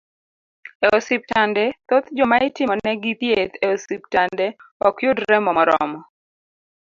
E osiptande, thoth joma itimonegi thieth e osiptande, ok yud remo moromo